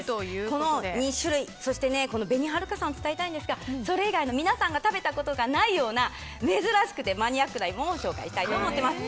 この２種類、紅はるかさんを伝えたいんですがそれ以外の皆さんが食べたことがないような珍しくてマニアックな芋を紹介したいと思ってます。